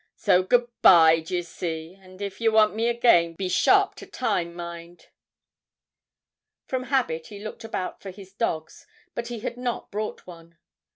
So good bye, d'ye see, and if you want me again be sharp to time, mind. From habit he looked about for his dogs, but he had not brought one.